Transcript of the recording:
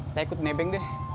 saya ikut nebeng deh